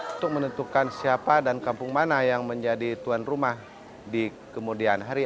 untuk menentukan siapa dan kampung mana yang menjadi tuan rumah di kemudian hari